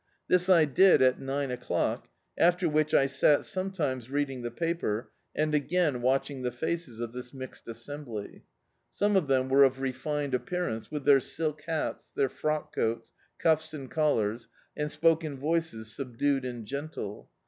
This I did at nine o'clock, after which I sat sometimes reading the paper, and again watching the faces of this mixed assembly. Some of them were of refined appearance, with their silk hats, their frock coats, cuffs and collars, and spoke in voices subdued and gentle.